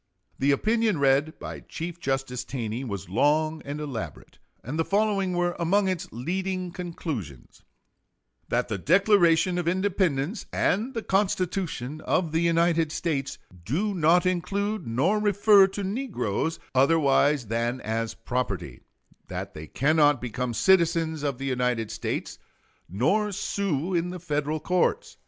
The opinion read by Chief Justice Taney was long and elaborate, and the following were among its leading conclusions: That the Declaration of Independence and the Constitution of the United States do not include nor refer to negroes otherwise than as property; that they cannot become citizens of the United States nor sue in the Federal courts.